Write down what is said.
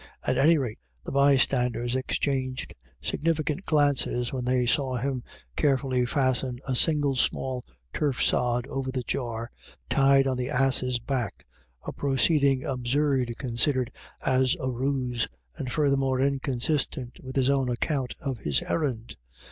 At any rate, the bystanders exchanged significant glances, when they saw him carefully fasten a single small turf sod over the jar tied on the ass's back, a proceeding absurd con sidered as a ruse, and furthermore inconsistent with his own account of his errand.